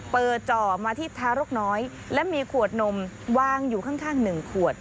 จ่อมาที่ทารกน้อยและมีขวดนมวางอยู่ข้างหนึ่งขวด